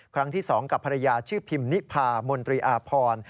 ครั้งที่๒กับภรรยาชื่อพิมนิพามนตรีอาพร